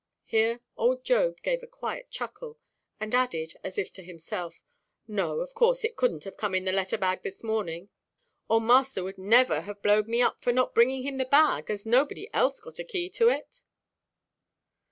Here old Job gave a quiet chuckle, and added, as if to himself, "No, of course, it couldnʼt have come in the letter–bag this morning, or master would never have blowed me up for not bringing him the bag, as nobody else got a key to it!"